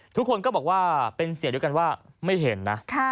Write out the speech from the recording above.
ทุกคนก็บอกว่าเป็นเสียด้วยกันว่าไม่เห็นนะ